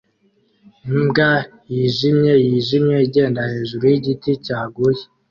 Imbwa yijimye yijimye igenda hejuru yigiti cyaguye